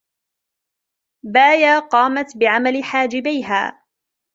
بايا قامت بعمل حاجبيها.